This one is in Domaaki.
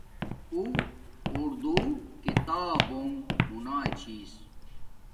اُو اردو کتابنݣ موناچھس